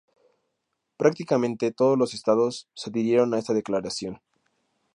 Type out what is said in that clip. Prácticamente todos los Estados se adhirieron a esta declaración.